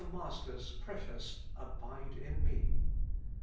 Master's precious "Abide in me."